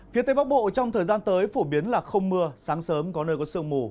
phía tây bắc bộ trong thời gian tới phổ biến là không mưa sáng sớm có nơi có sương mù